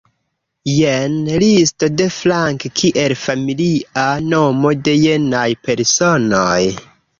Jen listo de Frank kiel familia nomo de jenaj personoj.